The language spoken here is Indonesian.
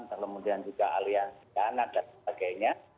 kemudian juga aliansi dan ada sebagainya